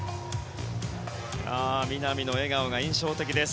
南の笑顔が印象的です。